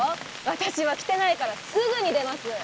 私は着てないからすぐに出ます。